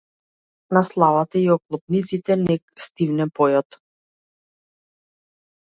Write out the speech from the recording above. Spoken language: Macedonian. На славата, и оклопниците, нек стивне појот.